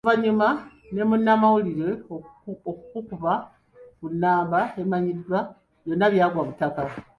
Oluvannyuma ne munnamawulire okukuba ku nnamba emanyikiddwa, byonna byagwa butaka.